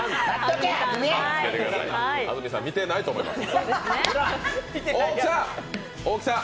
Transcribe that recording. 安住さん、見てないと思います。